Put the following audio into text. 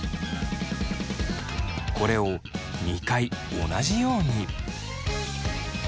これを２回同じように。